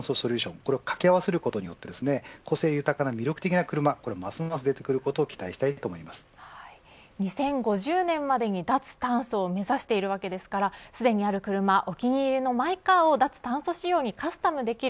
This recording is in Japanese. これを掛け合わせることによって個性豊かな魅力的な車がますます出てくることを２０５０年までに脱炭素を目指しているわけですからすでにある車、お気に入りのマイカーを脱炭素仕様にカスタムできる。